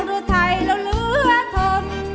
รู้ไทยแล้วเหลือคน